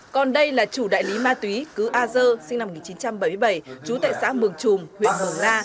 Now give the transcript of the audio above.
còn đây là chủ đại lý ma túy cứ a dơ sinh năm một nghìn chín trăm bảy mươi bảy trú tại xã mường trùm huyện mường la